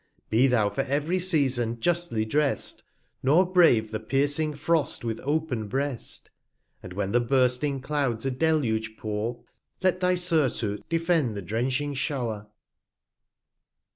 Be thou, for ev'ry Season justly drest, Nor brave the piercing Frost with open Breast; 130 And when the bursting Clouds a Deluge pour, Let thy Surtout defend the drenching Show'r.